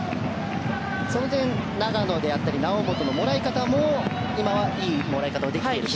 その点長野であったり、猶本のもらい方も、今はいいもらい方ができていると。